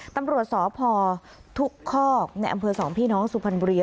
ตำรวจสพทุกคอกในอำเภอสองพี่น้องสุพรรณบุรี